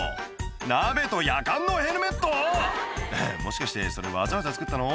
鍋とヤカンのヘルメット⁉えっもしかしてそれわざわざ作ったの？